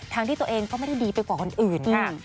ที่ตัวเองก็ไม่ได้ดีไปกว่าคนอื่นค่ะ